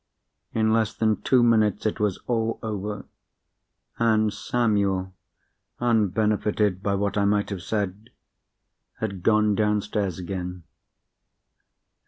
In less than two minutes it was all over—and Samuel (unbenefited by what I might have said) had gone downstairs again.